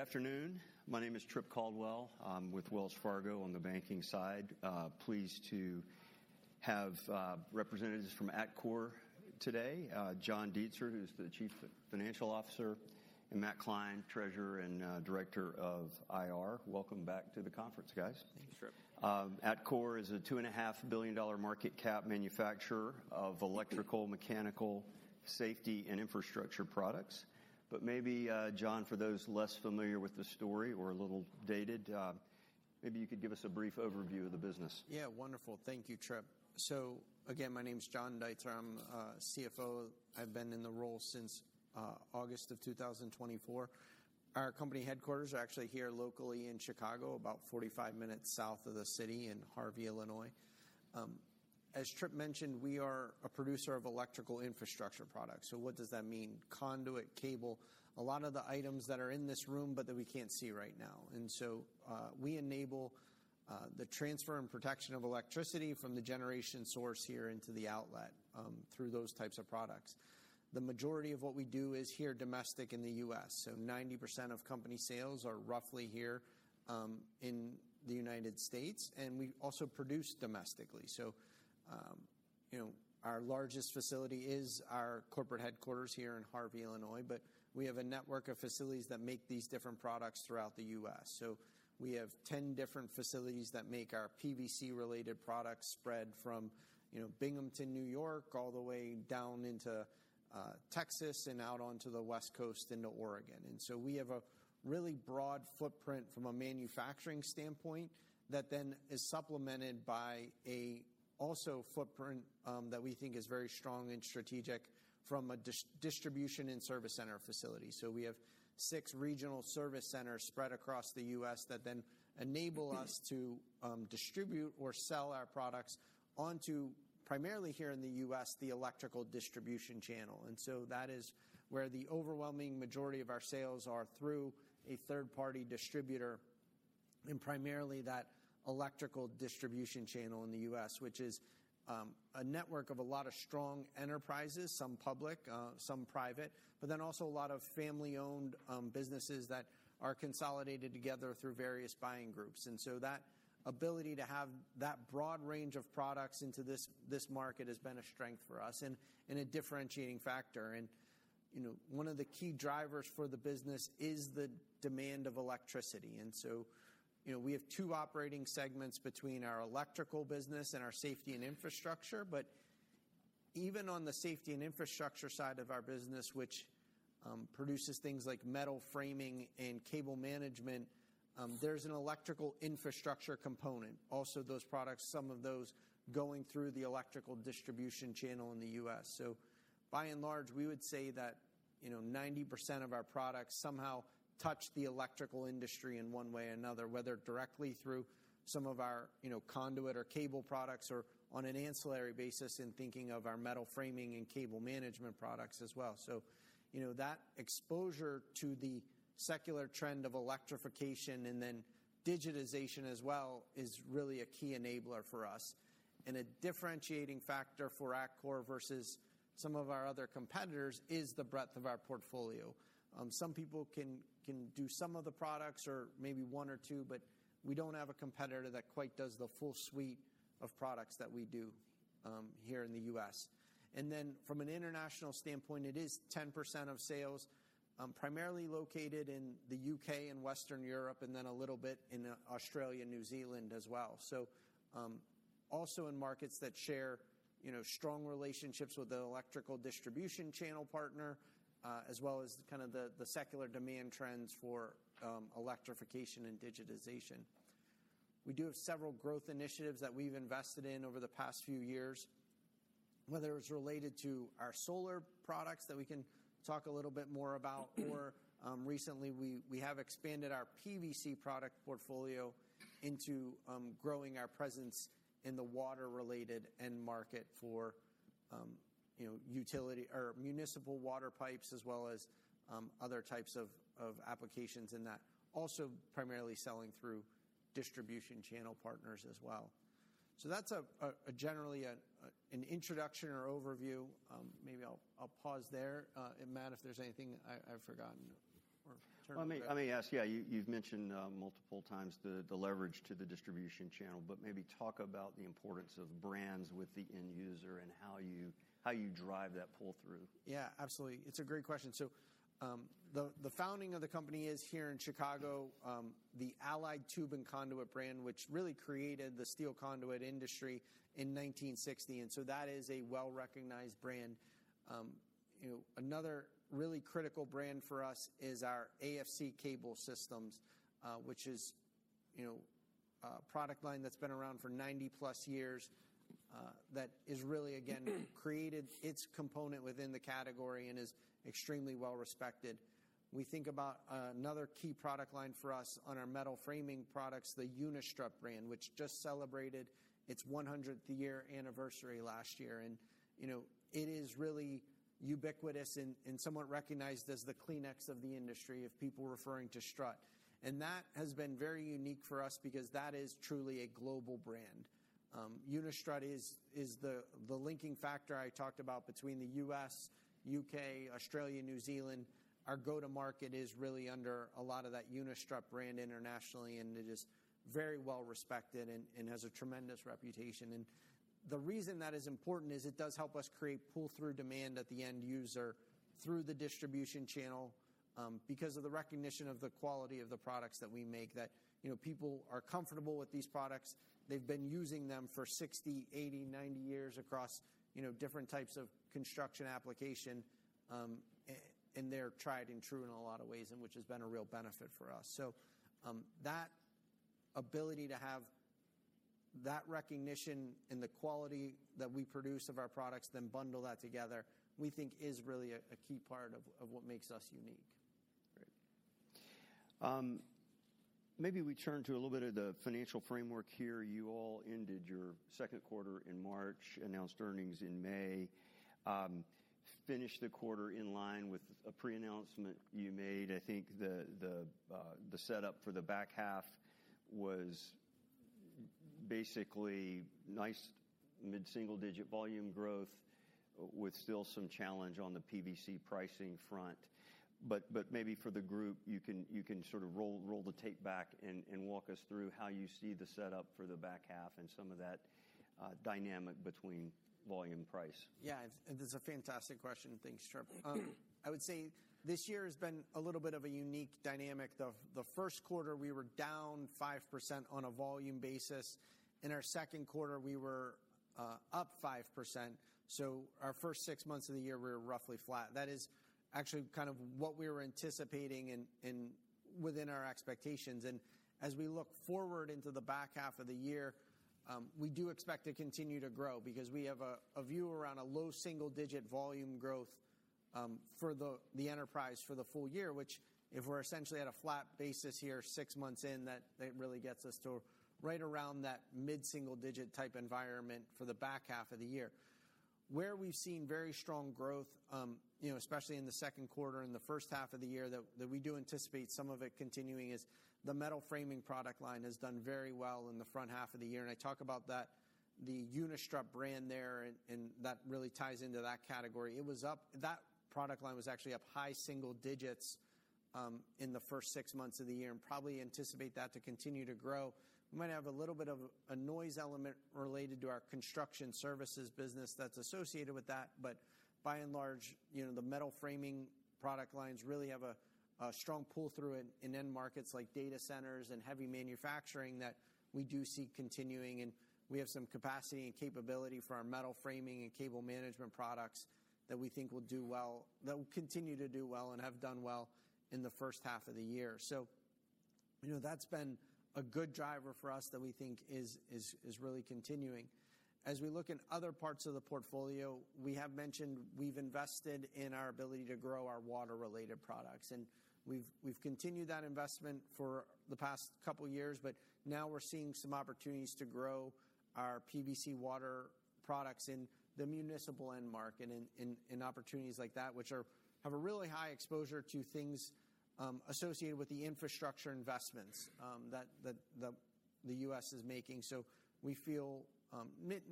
Good afternoon. My name is Trip Caldwell. I'm with Wells Fargo on the banking side. Pleased to have representatives from Atkore today: John Deitzer, who's the Chief Financial Officer, and Matt Kline, Treasurer and Director of IR. Welcome back to the conference, guys. Thanks, Trip. Atkore is a $2.5 billion market cap manufacturer of electrical, mechanical, safety, and infrastructure products. But maybe, John, for those less familiar with the story or a little dated, maybe you could give us a brief overview of the business. Yeah, wonderful. Thank you, Trip. So again, my name's John Deitzer. I'm CFO. I've been in the role since August of 2024. Our company headquarters are actually here locally in Chicago, about 45 minutes south of the city in Harvey, Illinois. As Trip mentioned, we are a producer of electrical infrastructure products. So what does that mean? Conduit, cable, a lot of the items that are in this room, but that we can't see right now. And so we enable the transfer and protection of electricity from the generation source here into the outlet through those types of products. The majority of what we do is here domestic in the U.S. So 90% of company sales are roughly here in the United States. And we also produce domestically. So our largest facility is our corporate headquarters here in Harvey, Illinois. But we have a network of facilities that make these different products throughout the U.S. So we have 10 different facilities that make our PVC-related products spread from Binghamton, New York, all the way down into Texas and out onto the West Coast into Oregon. And so we have a really broad footprint from a manufacturing standpoint that then is supplemented by an also footprint that we think is very strong and strategic from a distribution and service center facility. So we have six regional service centers spread across the U.S. that then enable us to distribute or sell our products onto primarily here in the U.S., the electrical distribution channel. That is where the overwhelming majority of our sales are through a third-party distributor and primarily that electrical distribution channel in the U.S., which is a network of a lot of strong enterprises, some public, some private, but then also a lot of family-owned businesses that are consolidated together through various buying groups. That ability to have that broad range of products into this market has been a strength for us and a differentiating factor. One of the key drivers for the business is the demand of electricity. We have two operating segments between our electrical business and our safety and infrastructure. Even on the safety and infrastructure side of our business, which produces things like metal framing and cable management, there's an electrical infrastructure component. Those products, some of those, going through the electrical distribution channel in the U.S. So by and large, we would say that 90% of our products somehow touch the electrical industry in one way or another, whether directly through some of our conduit or cable products or on an ancillary basis in thinking of our metal framing and cable management products as well. So that exposure to the secular trend of electrification and then digitization as well is really a key enabler for us. And a differentiating factor for Atkore versus some of our other competitors is the breadth of our portfolio. Some people can do some of the products or maybe one or two, but we don't have a competitor that quite does the full suite of products that we do here in the U.S. From an international standpoint, it is 10% of sales primarily located in the U.K. and Western Europe and then a little bit in Australia and New Zealand as well. Also in markets that share strong relationships with the electrical distribution channel partner, as well as kind of the secular demand trends for electrification and digitization. We do have several growth initiatives that we've invested in over the past few years, whether it's related to our solar products that we can talk a little bit more about, or recently we have expanded our PVC product portfolio into growing our presence in the water-related end market for municipal water pipes, as well as other types of applications in that, also primarily selling through distribution channel partners as well. That's generally an introduction or overview. Maybe I'll pause there. Matt, if there's anything I've forgotten or turned around. Let me ask. Yeah, you've mentioned multiple times the leverage to the distribution channel, but maybe talk about the importance of brands with the end user and how you drive that pull-through? Yeah, absolutely. It's a great question. So the founding of the company is here in Chicago, the Allied Tube & Conduit brand, which really created the steel conduit industry in 1960. And so that is a well-recognized brand. Another really critical brand for us is our AFC Cable Systems, which is a product line that's been around for 90+ years that has really, again, created its component within the category and is extremely well-respected. We think about another key product line for us on our metal framing products, the Unistrut brand, which just celebrated its 100th year anniversary last year. And it is really ubiquitous and somewhat recognized as the Kleenex of the industry if people are referring to strut. And that has been very unique for us because that is truly a global brand. Unistrut is the linking factor I talked about between the U.S., U.K., Australia, New Zealand. Our go-to-market is really under a lot of that Unistrut brand internationally, and it is very well-respected and has a tremendous reputation. And the reason that is important is it does help us create pull-through demand at the end user through the distribution channel because of the recognition of the quality of the products that we make, that people are comfortable with these products. They've been using them for 60, 80, 90 years across different types of construction application, and they're tried and true in a lot of ways, which has been a real benefit for us. So that ability to have that recognition and the quality that we produce of our products, then bundle that together, we think is really a key part of what makes us unique. Great. Maybe we turn to a little bit of the financial framework here. You all ended your second quarter in March, announced earnings in May, finished the quarter in line with a pre-announcement you made. I think the setup for the back half was basically nice mid-single-digit volume growth with still some challenge on the PVC pricing front. But maybe for the group, you can sort of roll the tape back and walk us through how you see the setup for the back half and some of that dynamic between volume and price. Yeah, that's a fantastic question. Thanks, Trip. I would say this year has been a little bit of a unique dynamic. The first quarter, we were down 5% on a volume basis. In our second quarter, we were up 5%. So our first six months of the year, we were roughly flat. That is actually kind of what we were anticipating and within our expectations, and as we look forward into the back half of the year, we do expect to continue to grow because we have a view around a low single-digit volume growth for the enterprise for the full year, which if we're essentially at a flat basis here six months in, that really gets us to right around that mid-single-digit type environment for the back half of the year. Where we've seen very strong growth, especially in the second quarter and the first half of the year, that we do anticipate some of it continuing is the metal framing product line has done very well in the front half of the year, and I talk about that, the Unistrut brand there, and that really ties into that category. That product line was actually up high single digits in the first six months of the year and probably anticipate that to continue to grow. We might have a little bit of a noise element related to our construction services business that's associated with that, but by and large, the metal framing product lines really have a strong pull-through in end markets like data centers and heavy manufacturing that we do see continuing. And we have some capacity and capability for our metal framing and cable management products that we think will do well, that will continue to do well and have done well in the first half of the year. So that's been a good driver for us that we think is really continuing. As we look in other parts of the portfolio, we have mentioned we've invested in our ability to grow our water-related products. And we've continued that investment for the past couple of years, but now we're seeing some opportunities to grow our PVC water products in the municipal end market and opportunities like that, which have a really high exposure to things associated with the infrastructure investments that the U.S. is making. So we feel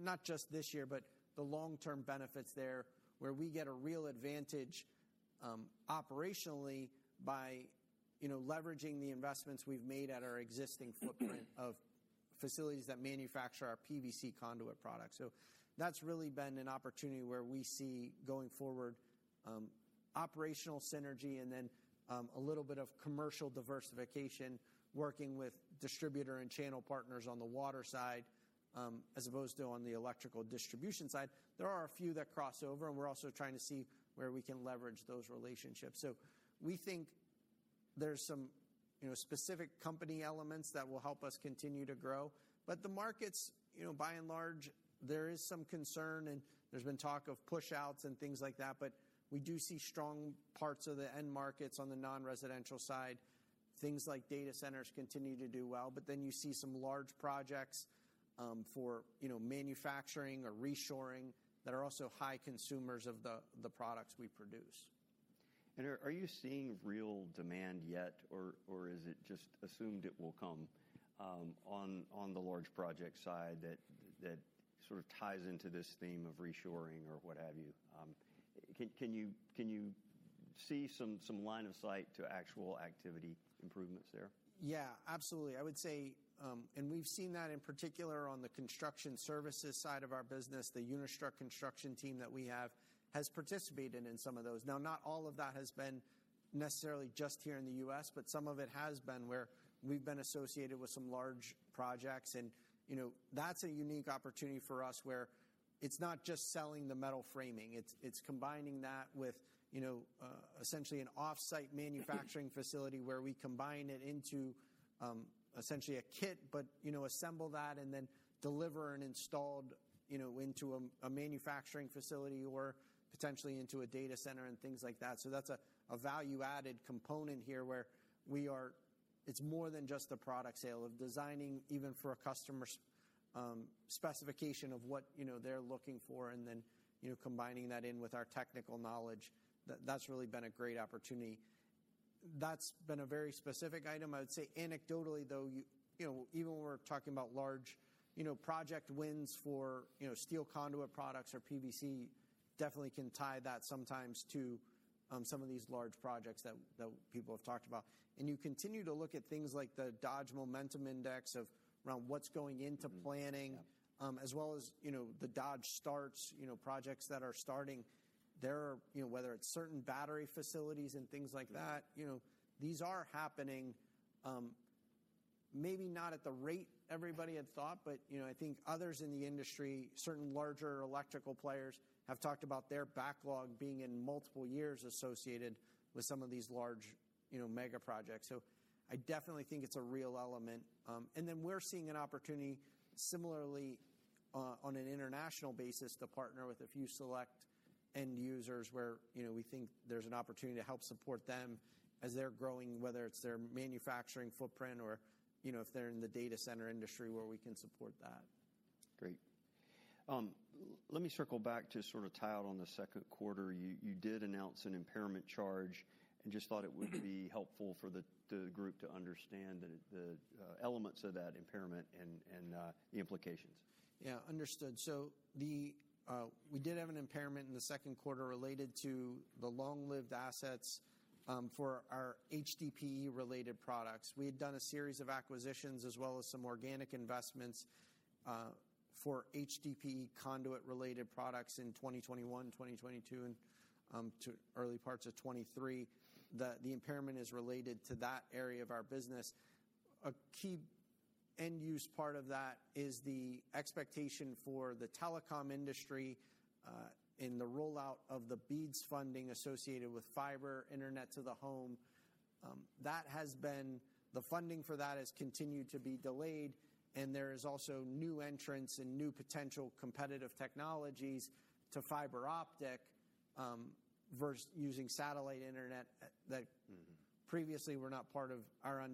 not just this year, but the long-term benefits there where we get a real advantage operationally by leveraging the investments we've made at our existing footprint of facilities that manufacture our PVC conduit products. So that's really been an opportunity where we see going forward operational synergy and then a little bit of commercial diversification working with distributor and channel partners on the water side as opposed to on the electrical distribution side. There are a few that cross over, and we're also trying to see where we can leverage those relationships. So we think there's some specific company elements that will help us continue to grow. But the markets, by and large, there is some concern, and there's been talk of push-outs and things like that. But we do see strong parts of the end markets on the non-residential side, things like data centers continue to do well. But then you see some large projects for manufacturing or reshoring that are also high consumers of the products we produce. And are you seeing real demand yet, or is it just assumed it will come on the large project side that sort of ties into this theme of reshoring or what have you? Can you see some line of sight to actual activity improvements there? Yeah, absolutely. I would say, and we've seen that in particular on the construction services side of our business. The Unistrut Construction team that we have has participated in some of those. Now, not all of that has been necessarily just here in the U.S., but some of it has been where we've been associated with some large projects, and that's a unique opportunity for us where it's not just selling the metal framing. It's combining that with essentially an off-site manufacturing facility where we combine it into essentially a kit, but assemble that and then deliver and install into a manufacturing facility or potentially into a data center and things like that, so that's a value-added component here where it's more than just the product sale, of designing even for a customer's specification of what they're looking for and then combining that in with our technical knowledge. That's really been a great opportunity. That's been a very specific item. I would say anecdotally, though, even when we're talking about large project wins for steel conduit products or PVC, definitely can tie that sometimes to some of these large projects that people have talked about, and you continue to look at things like the Dodge Momentum Index around what's going into planning, as well as the Dodge Starts projects that are starting, whether it's certain battery facilities and things like that. These are happening, maybe not at the rate everybody had thought, but I think others in the industry, certain larger electrical players, have talked about their backlog being in multiple years associated with some of these large mega projects, so I definitely think it's a real element. And then we're seeing an opportunity similarly on an international basis to partner with a few select end users where we think there's an opportunity to help support them as they're growing, whether it's their manufacturing footprint or if they're in the data center industry where we can support that. Great. Let me circle back to sort of tie out on the second quarter. You did announce an impairment charge and just thought it would be helpful for the group to understand the elements of that impairment and the implications. Yeah, understood. So we did have an impairment in the second quarter related to the long-lived assets for our HDPE-related products. We had done a series of acquisitions as well as some organic investments for HDPE conduit-related products in 2021, 2022, and early parts of 2023. The impairment is related to that area of our business. A key end-use part of that is the expectation for the telecom industry in the rollout of the BEAD funding associated with fiber internet to the home. That funding has continued to be delayed, and there is also new entrants and new potential competitive technologies to fiber optic versus using satellite internet that previously were not part of our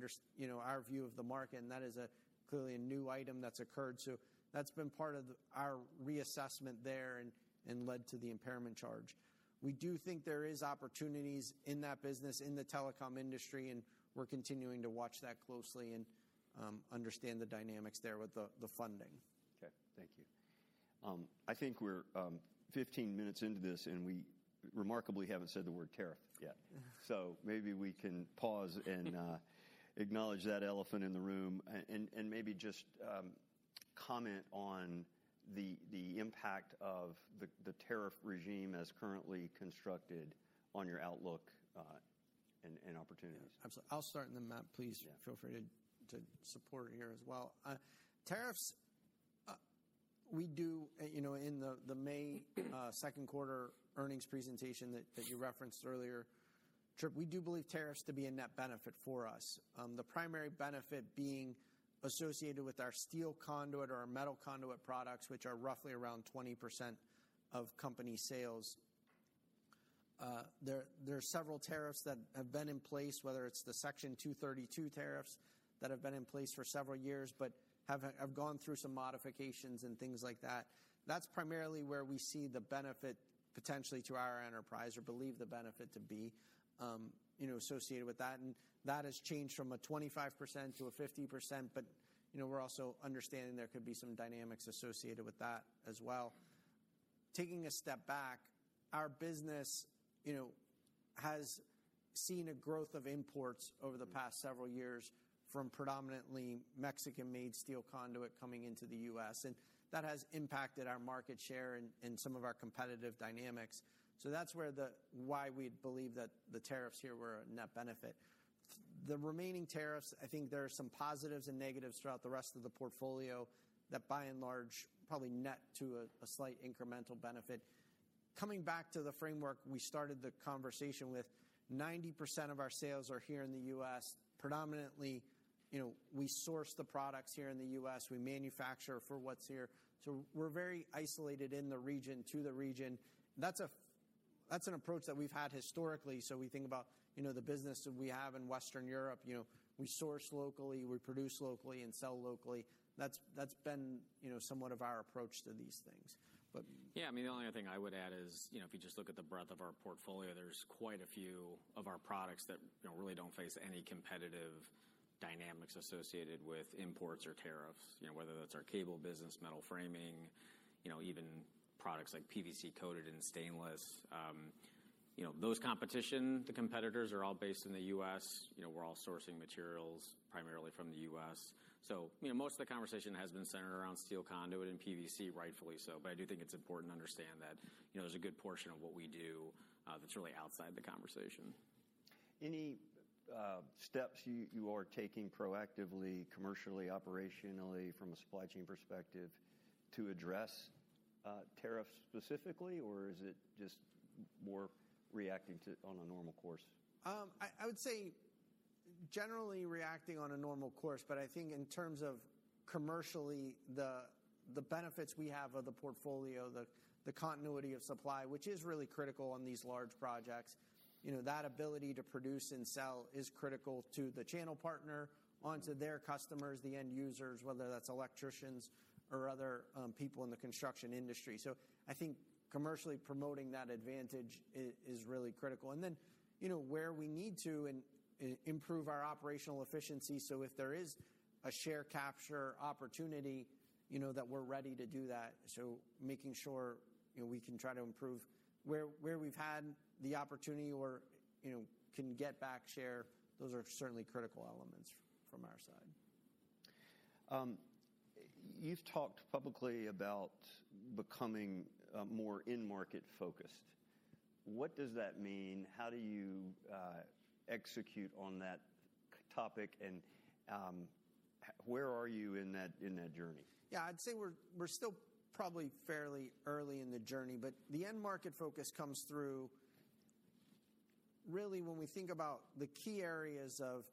view of the market. And that is clearly a new item that's occurred. So that's been part of our reassessment there and led to the impairment charge. We do think there are opportunities in that business, in the telecom industry, and we're continuing to watch that closely and understand the dynamics there with the funding. Okay, thank you. I think we're 15 minutes into this, and we remarkably haven't said the word tariff yet. So maybe we can pause and acknowledge that elephant in the room and maybe just comment on the impact of the tariff regime as currently constructed on your outlook and opportunities. Absolutely. I'll start and then Matt, please feel free to support here as well. Tariffs, we do, in the May second quarter earnings presentation that you referenced earlier, Trip, believe tariffs to be a net benefit for us, the primary benefit being associated with our steel conduit or our metal conduit products, which are roughly around 20% of company sales. There are several tariffs that have been in place, whether it's the Section 232 tariffs that have been in place for several years, but have gone through some modifications and things like that. That's primarily where we see the benefit potentially to our enterprise or believe the benefit to be associated with that, and that has changed from a 25%-50%, but we're also understanding there could be some dynamics associated with that as well. Taking a step back, our business has seen a growth of imports over the past several years from predominantly Mexican-made steel conduit coming into the U.S., and that has impacted our market share and some of our competitive dynamics, so that's why we believe that the tariffs here were a net benefit. The remaining tariffs, I think there are some positives and negatives throughout the rest of the portfolio that by and large probably net to a slight incremental benefit. Coming back to the framework, we started the conversation with 90% of our sales are here in the U.S. Predominantly, we source the products here in the U.S. We manufacture for what's here, so we're very isolated in the region to the region. That's an approach that we've had historically, so we think about the business that we have in Western Europe. We source locally, we produce locally, and sell locally. That's been somewhat of our approach to these things. Yeah, I mean, the only other thing I would add is if you just look at the breadth of our portfolio, there's quite a few of our products that really don't face any competitive dynamics associated with imports or tariffs, whether that's our cable business, metal framing, even products like PVC coated and stainless. Those competition, the competitors are all based in the U.S. We're all sourcing materials primarily from the U.S. So most of the conversation has been centered around steel conduit and PVC, rightfully so. But I do think it's important to understand that there's a good portion of what we do that's really outside the conversation. Any steps you are taking proactively, commercially, operationally from a supply chain perspective to address tariffs specifically, or is it just more reacting to on a normal course? I would say generally reacting on a normal course, but I think in terms of commercially, the benefits we have of the portfolio, the continuity of supply, which is really critical on these large projects, that ability to produce and sell is critical to the channel partner onto their customers, the end users, whether that's electricians or other people in the construction industry, so I think commercially promoting that advantage is really critical, and then where we need to improve our operational efficiency, so if there is a share capture opportunity that we're ready to do that, so making sure we can try to improve where we've had the opportunity or can get back share, those are certainly critical elements from our side. You've talked publicly about becoming more in-market focused. What does that mean? How do you execute on that topic? And where are you in that journey? Yeah, I'd say we're still probably fairly early in the journey, but the end market focus comes through really when we think about the key areas of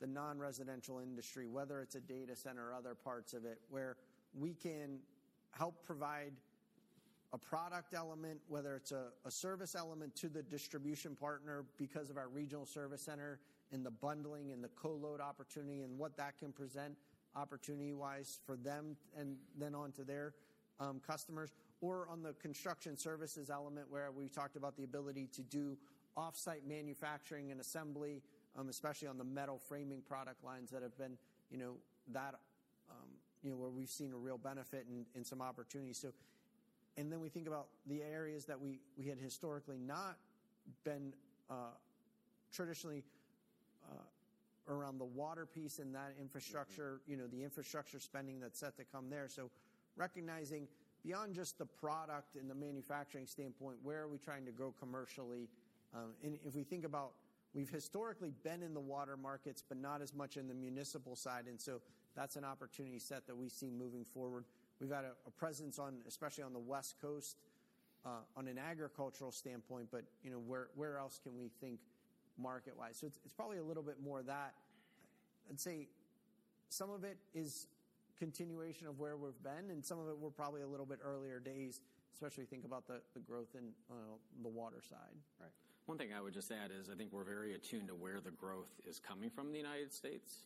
the non-residential industry, whether it's a data center or other parts of it, where we can help provide a product element, whether it's a service element to the distribution partner because of our regional service center and the bundling and the co-load opportunity and what that can present opportunity-wise for them and then onto their customers, or on the construction services element where we've talked about the ability to do off-site manufacturing and assembly, especially on the metal framing product lines that have been that where we've seen a real benefit and some opportunity, and then we think about the areas that we had historically not been traditionally around the water piece and that infrastructure, the infrastructure spending that's set to come there. So recognizing beyond just the product and the manufacturing standpoint, where are we trying to go commercially? And if we think about, we've historically been in the water markets, but not as much in the municipal side. And so that's an opportunity set that we see moving forward. We've had a presence, especially on the West Coast, on an agricultural standpoint, but where else can we think market-wise? So it's probably a little bit more that. I'd say some of it is continuation of where we've been, and some of it we're probably a little bit earlier days, especially think about the growth in the water side. Right. One thing I would just add is I think we're very attuned to where the growth is coming from in the United States.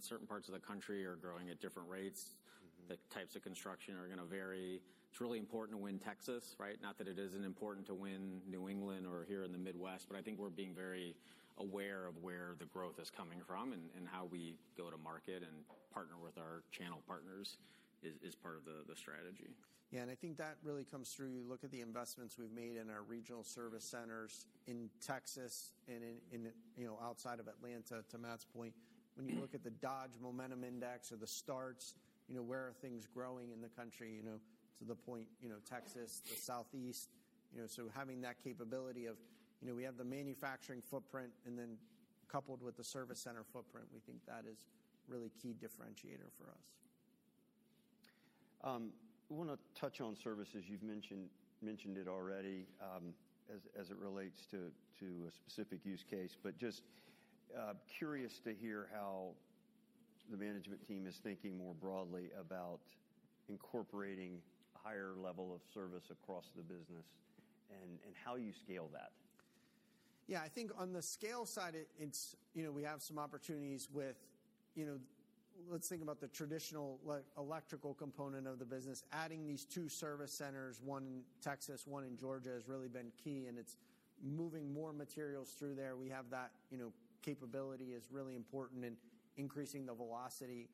Certain parts of the country are growing at different rates. The types of construction are going to vary. It's really important to win Texas, right? Not that it isn't important to win New England or here in the Midwest, but I think we're being very aware of where the growth is coming from and how we go to market and partner with our channel partners is part of the strategy. Yeah, and I think that really comes through. You look at the investments we've made in our regional service centers in Texas and outside of Atlanta, to Matt's point. When you look at the Dodge Momentum Index or the Starts, where are things growing in the country to the point Texas, the Southeast? So having that capability of we have the manufacturing footprint and then coupled with the service center footprint, we think that is really key differentiator for us. We want to touch on services. You've mentioned it already as it relates to a specific use case, but just curious to hear how the management team is thinking more broadly about incorporating a higher level of service across the business and how you scale that. Yeah, I think on the scale side, we have some opportunities with, let's think about, the traditional electrical component of the business. Adding these two service centers, one in Texas, one in Georgia, has really been key, and it's moving more materials through there. We have that capability is really important in increasing the velocity.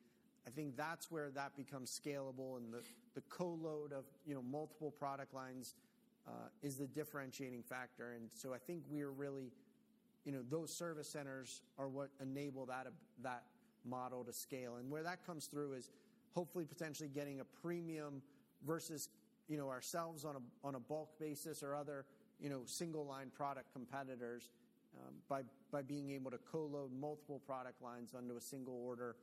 I think that's where that becomes scalable, and the co-load of multiple product lines is the differentiating factor. And so I think, really, those service centers are what enable that model to scale. And where that comes through is hopefully potentially getting a premium versus ourselves on a bulk basis or other single-line product competitors by being able to co-load multiple product lines under a single order,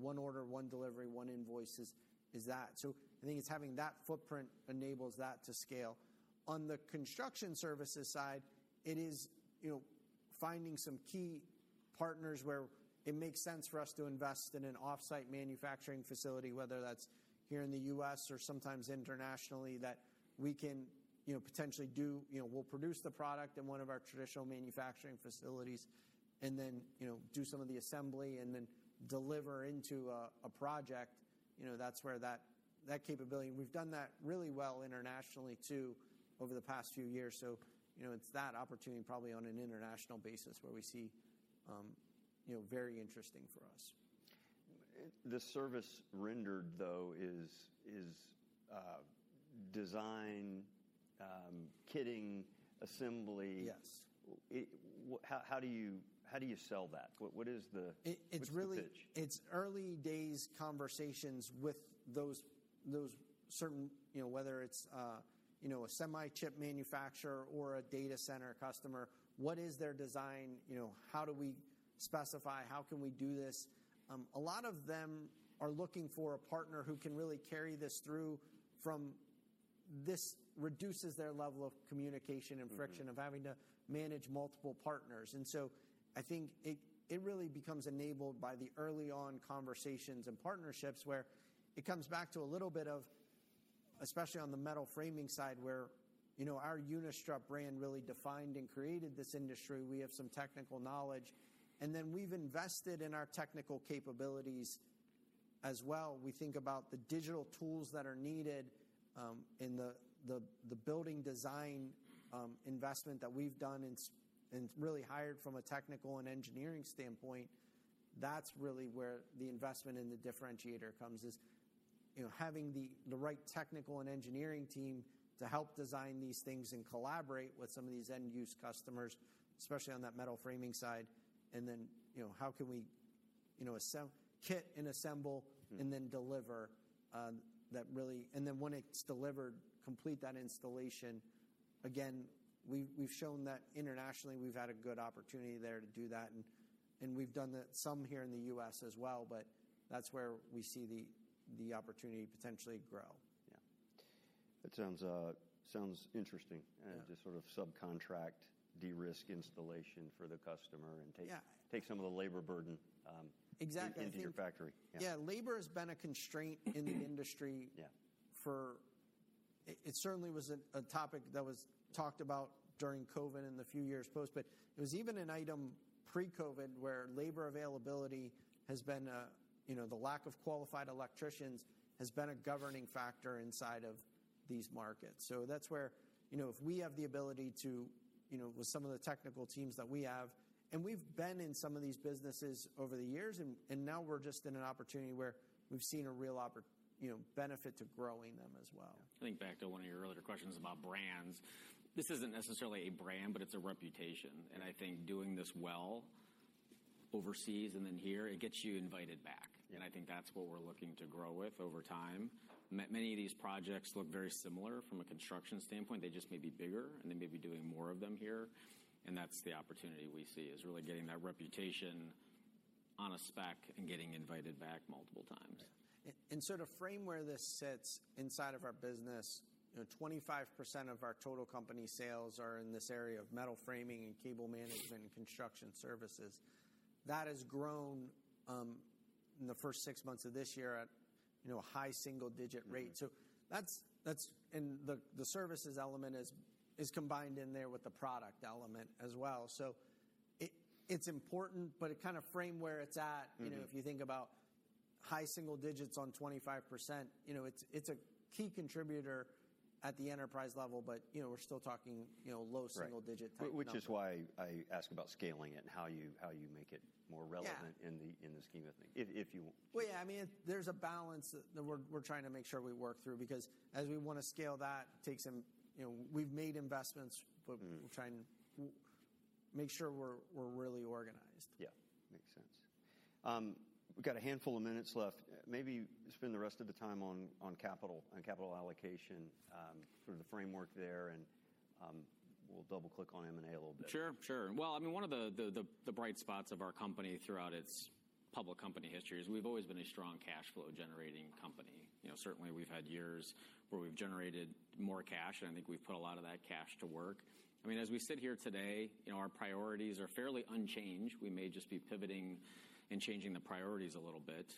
one order, one delivery, one invoice is that. So I think it's having that footprint enables that to scale. On the construction services side, it is finding some key partners where it makes sense for us to invest in an off-site manufacturing facility, whether that's here in the U.S. or sometimes internationally, that we can potentially do. We'll produce the product in one of our traditional manufacturing facilities and then do some of the assembly and then deliver into a project. That's where that capability. We've done that really well internationally too over the past few years. So it's that opportunity probably on an international basis where we see very interesting for us. The service rendered, though, is design, kitting, assembly. How do you sell that? What is the? It's really early days conversations with those certain whether it's a semi-chip manufacturer or a data center customer, what is their design? How do we specify? How can we do this? A lot of them are looking for a partner who can really carry this through from this reduces their level of communication and friction of having to manage multiple partners. And so I think it really becomes enabled by the early on conversations and partnerships where it comes back to a little bit of especially on the metal framing side where our Unistrut brand really defined and created this industry. We have some technical knowledge, and then we've invested in our technical capabilities as well. We think about the digital tools that are needed in the building design investment that we've done and really hired from a technical and engineering standpoint. That's really where the investment in the differentiator comes is having the right technical and engineering team to help design these things and collaborate with some of these end-use customers, especially on that metal framing side. And then how can we kit and assemble and then deliver that really? And then when it's delivered, complete that installation. Again, we've shown that internationally we've had a good opportunity there to do that, and we've done some here in the U.S. as well, but that's where we see the opportunity potentially grow. Yeah. That sounds interesting to sort of subcontract de-risk installation for the customer and take some of the labor burden into your factory. Exactly. Yeah, labor has been a constraint in the industry, for it certainly was a topic that was talked about during COVID and the few years post, but it was even an item pre-COVID where labor availability, the lack of qualified electricians, has been a governing factor inside of these markets. So that's where if we have the ability to, with some of the technical teams that we have, and we've been in some of these businesses over the years, and now we're just in an opportunity where we've seen a real benefit to growing them as well. I think back to one of your earlier questions about brands, this isn't necessarily a brand, but it's a reputation, and I think doing this well overseas and then here, it gets you invited back, and I think that's what we're looking to grow with over time. Many of these projects look very similar from a construction standpoint. They just may be bigger, and they may be doing more of them here, and that's the opportunity we see is really getting that reputation on a spec and getting invited back multiple times. Sort of frame where this sits inside of our business, 25% of our total company sales are in this area of metal framing and cable management and construction services. That has grown in the first six months of this year at a high single-digit rate. The services element is combined in there with the product element as well. It's important, but it kind of frame where it's at. If you think about high single digits on 25%, it's a key contributor at the enterprise level, but we're still talking low single-digit type of things. Which is why I ask about scaling it and how you make it more relevant in the scheme of things. Well, yeah, I mean, there's a balance that we're trying to make sure we work through, because as we want to scale that, it takes some. We've made investments, but we're trying to make sure we're really organized. Yeah, makes sense. We've got a handful of minutes left. Maybe spend the rest of the time on capital allocation for the framework there, and we'll double-click on M&A a little bit. Sure, sure, well, I mean, one of the bright spots of our company throughout its public company history is we've always been a strong cash flow generating-company. Certainly, we've had years where we've generated more cash, and I think we've put a lot of that cash to work. I mean, as we sit here today, our priorities are fairly unchanged. We may just be pivoting and changing the priorities a little bit.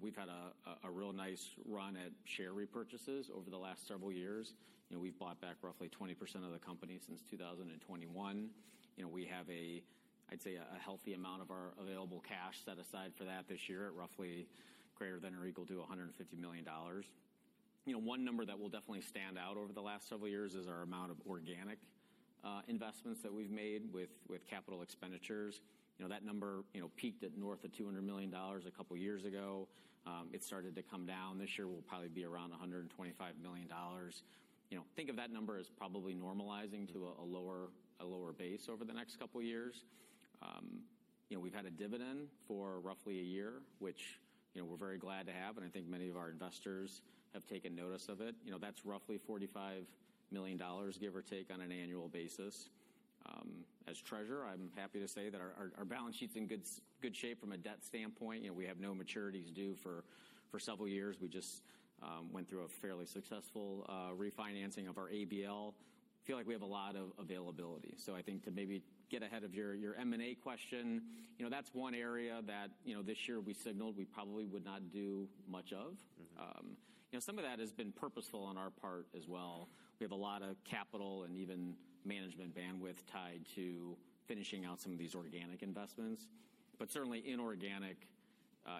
We've had a real nice run at share repurchases over the last several years. We've bought back roughly 20% of the company since 2021. We have, I'd say, a healthy amount of our available cash set aside for that this year at roughly greater than or equal to $150 million. One number that will definitely stand out over the last several years is our amount of organic investments that we've made with capital expenditures. That number peaked at north of $200 million a couple of years ago. It started to come down. This year, we'll probably be around $125 million. Think of that number as probably normalizing to a lower base over the next couple of years. We've had a dividend for roughly a year, which we're very glad to have, and I think many of our investors have taken notice of it. That's roughly $45 million, give or take, on an annual basis. As treasurer, I'm happy to say that our balance sheet's in good shape from a debt standpoint. We have no maturities due for several years. We just went through a fairly successful refinancing of our ABL. I feel like we have a lot of availability. I think to maybe get ahead of your M&A question, that's one area that this year we signaled we probably would not do much of. Some of that has been purposeful on our part as well. We have a lot of capital and even management bandwidth tied to finishing out some of these organic investments. But certainly, inorganic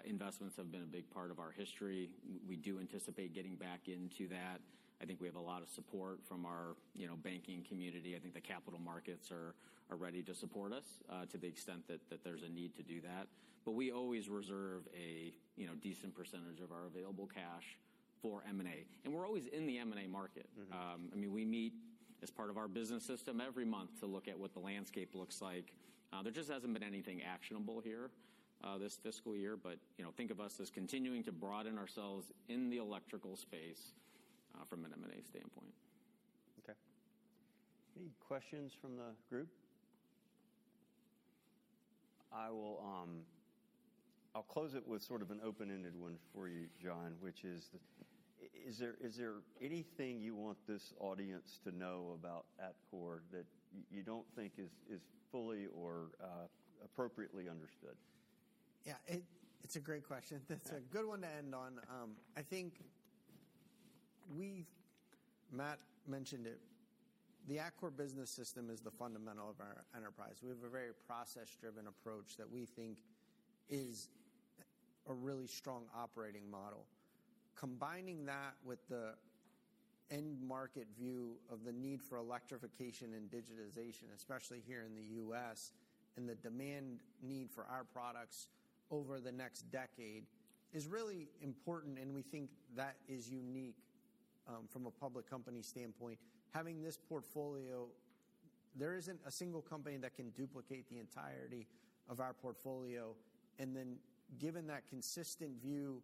investments have been a big part of our history. We do anticipate getting back into that. I think we have a lot of support from our banking community. I think the capital markets are ready to support us to the extent that there's a need to do that. But we always reserve a decent percentage of our available cash for M&A. And we're always in the M&A market. I mean, we meet as part of our business system every month to look at what the landscape looks like. There just hasn't been anything actionable here this fiscal year, but think of us as continuing to broaden ourselves in the electrical space from an M&A standpoint. Okay. Any questions from the group? I'll close it with sort of an open-ended one for you, John, which is, is there anything you want this audience to know about Atkore that you don't think is fully or appropriately understood? Yeah, it's a great question. That's a good one to end on. I think Matt mentioned it. The Atkore Business System is the fundamental of our enterprise. We have a very process-driven approach that we think is a really strong operating model. Combining that with the end market view of the need for electrification and digitization, especially here in the U.S., and the demand need for our products over the next decade is really important, and we think that is unique from a public company standpoint. Having this portfolio, there isn't a single company that can duplicate the entirety of our portfolio, and then given that consistent view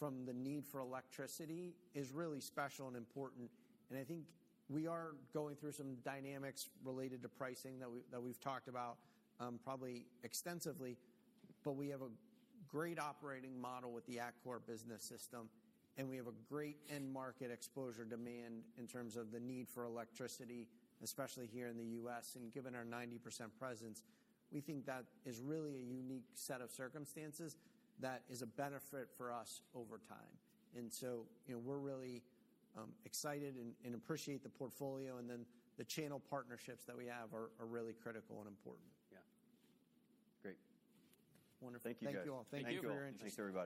from the need for electricity is really special and important. And I think we are going through some dynamics related to pricing that we've talked about probably extensively, but we have a great operating model with the Atkore Business System, and we have a great end market exposure demand in terms of the need for electricity, especially here in the U.S. And given our 90% presence, we think that is really a unique set of circumstances that is a benefit for us over time. And so we're really excited and appreciate the portfolio, and then the channel partnerships that we have are really critical and important. Yeah. Great. Wonderful. Thank you guys. Thank you all. Thank you for your interest. Thank you.